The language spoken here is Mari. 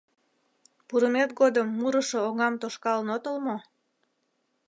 — Пурымет годым мурышо оҥам тошкалын отыл мо?